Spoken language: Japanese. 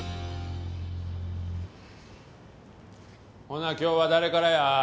ほな今日は誰からや？